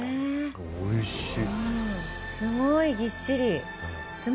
おいしい。